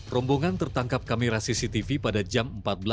rombongan tertangkap kamera cctv pada jam empat belas dua dua puluh delapan